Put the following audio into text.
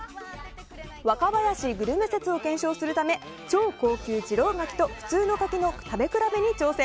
若林グルメ説を検証するため超高級・次郎柿と普通の柿の食べ比べに挑戦。